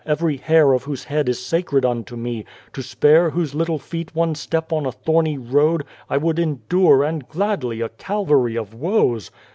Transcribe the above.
every hair of whose head is sacred unto Me, to spare whose little feet one step on a thorny road, I would endure and gladly a Calvary of woes